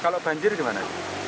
kalau banjir gimana